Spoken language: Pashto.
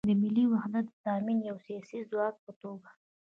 د ملي وحدت د تامین او د یو سیاسي ځواک په توګه